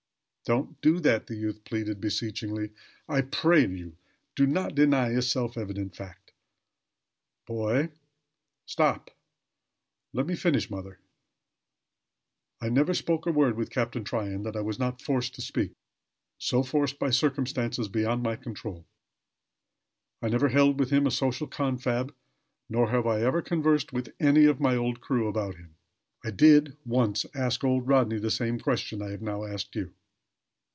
"Don't do that!" the youth pleaded, beseechingly. "I pray you do not deny a self evident fact." "Boy!" "Stop! Let me finish. Mother, I never spoke a word with Captain Tryon that I was not forced to speak so forced by circumstances beyond my control. I never held with him a social confab; nor have I ever conversed with any of my old crew about him. I did, once, ask old Rodney the same question I have now asked you."